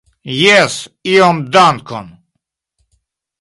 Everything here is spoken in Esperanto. Jes, iom, dankon.